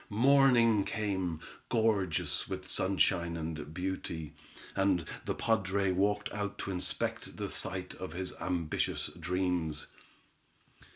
Morning came, gorgeous with sunshine and beauty, and the padre walked out to inspect the site of his ambitious dreams.